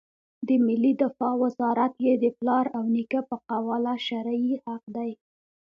د ملي دفاع وزارت یې د پلار او نیکه په قواله شرعي حق دی.